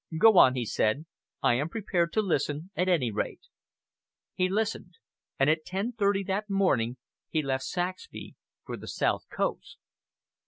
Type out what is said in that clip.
"Go on," he said. "I am prepared to listen at any rate...." He listened. And at 10.30 that morning, he left Saxby for the South Coast.